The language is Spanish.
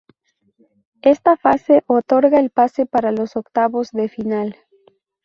Esta fase, otorga el pase para los octavos de final.